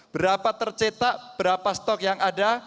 berapa tercetak berapa stok yang ada